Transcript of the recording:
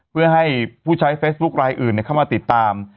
เพื่อให้ผู้ใช้เฟซบุ๊คลายอื่นเข้ามาติดตาม